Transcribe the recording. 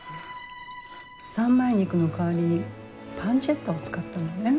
三枚肉の代わりにパンチェッタを使ったのね。